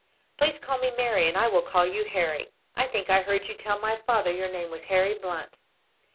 Please call me Mary, and I will call you Harry. I think I heard you tell my father your name was Harry Blunt."